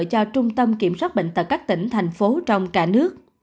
cho trung tâm kiểm soát bệnh tật các tỉnh thành phố trong cả nước